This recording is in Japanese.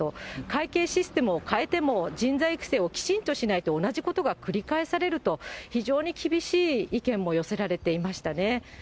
会計システムを変えても、人材育成をきちんとしないと同じことが繰り返されると、非常に厳しい意見も寄せられていましたね。